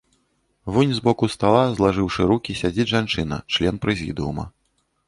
Вунь з боку стала, злажыўшы рукі, сядзіць жанчына, член прэзідыума.